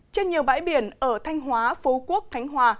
trên nhiều bãi biển ở thanh hóa phố quốc thánh hòa